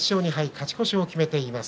勝ち越しを決めています。